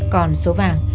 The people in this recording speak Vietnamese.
còn số vàng